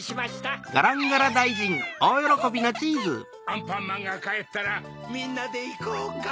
アンパンマンがかえったらみんなでいこうか。